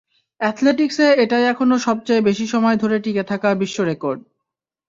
অ্যাথলেটিকসে এটাই এখনো সবচেয়ে বেশি সময় ধরে টিকে থাকা বিশ্ব রেকর্ড।